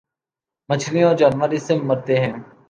مچھلیاں اور جانور اس سے مرتے ہیں۔